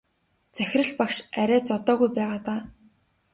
Захирал багш арай зодоогүй байгаа даа.